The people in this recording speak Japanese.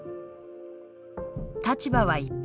立場は一変。